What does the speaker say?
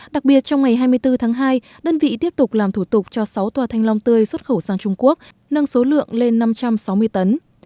đặc biệt trong ngày hai mươi bốn tháng hai đơn vị tiếp tục làm thủ tục cho sáu toa thanh long tươi xuất khẩu sang trung quốc nâng số lượng lên năm trăm sáu mươi tấn